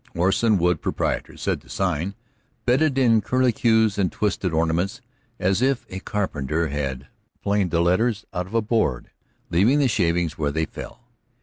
ORSON WOOD, PROP. said the sign, bedded in curlicues and twisted ornaments, as if a carpenter had planed the letters out of a board, leaving the shavings where they fell.